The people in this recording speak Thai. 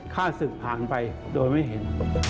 ฆ่าศึกผ่านไปโดยไม่เห็น